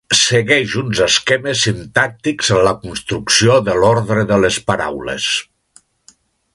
Segueix uns esquemes sintàctics en la construcció de l'ordre de les paraules.